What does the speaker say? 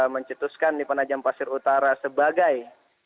mencetuskan di penajam pasir utara sebagai